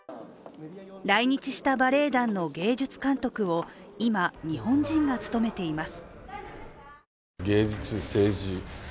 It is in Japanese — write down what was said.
来日したバレエ団の芸術監督を今、日本人が務めています。